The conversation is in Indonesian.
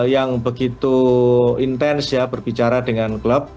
yang begitu intens ya berbicara dengan klub